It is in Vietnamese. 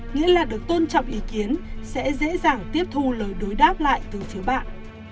nghĩa là được tôn trọng ý kiến sẽ dễ dàng tiếp thu lời đối đáp lại từ phiếu bạn